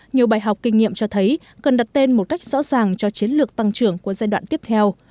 nhiều bài học kinh nghiệm cho thấy cần đặt tên một cách rõ ràng cho chiến lược tăng trưởng của giai đoạn tiếp theo